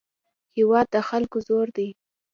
هېواد د خلکو زور دی.